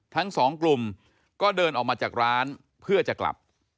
ทั้งสองกลุ่มก็เดินออกมาจากร้านเพื่อจะกลับ